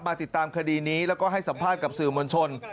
ติดตามคดีนี้แล้วก็ให้สัมภาษณ์กับสื่อมวลชน